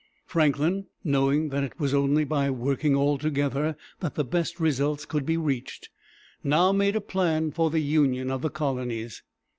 Franklin, knowing that it was only by working all together that the best results could be reached, now made a plan for the union of the colonies.